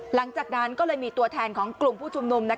หลังจากนั้นก็เลยมีตัวแทนของกลุ่มผู้ชุมนุม